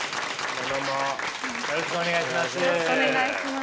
よろしくお願いします。